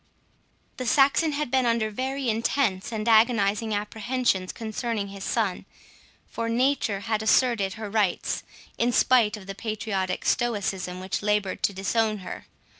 The Saxon had been under very intense and agonizing apprehensions concerning his son; for Nature had asserted her rights, in spite of the patriotic stoicism which laboured to disown her.